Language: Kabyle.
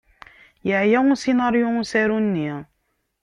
Yeɛya usinaryu n usaru-nni.